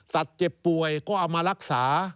เจ็บป่วยก็เอามารักษา